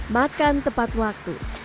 makan tepat waktu